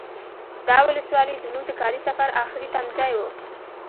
دا ولسوالي زمونږ د کاري سفر اخري تمځای و.